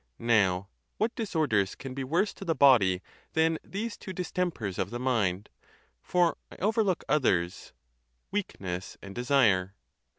Now, what disorders can be worse to the body than these two distempers of the mind (for I overlook others), weakness and desire?